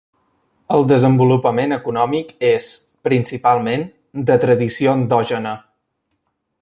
El desenvolupament econòmic és, principalment, de tradició endògena.